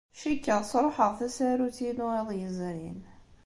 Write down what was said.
Cikkeɣ sṛuḥeɣ tasarut-inu iḍ yezrin.